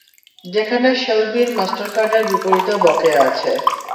যেখানে শেলবির মাস্টারকার্ডের বিপরীতে বকেয়া আছে।